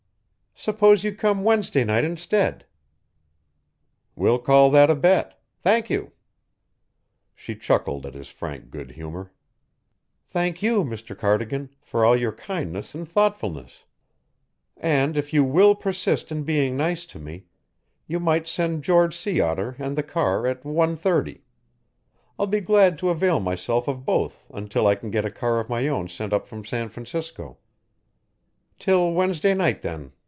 "Suppose you come Wednesday night instead." "We'll call that a bet. Thank you." She chuckled at his frank good humour. "Thank YOU, Mr Cardigan, for all your kindness and thoughtfulness; and if you WILL persist in being nice to me, you might send George Sea Otter and the car at one thirty. I'll be glad to avail myself of both until I can get a car of my own sent up from San Francisco. Till Wednesday night, then.